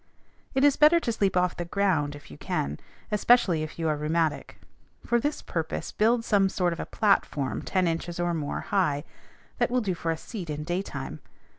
It is better to sleep off the ground if you can, especially if you are rheumatic. For this purpose build some sort of a platform ten inches or more high, that will do for a seat in daytime.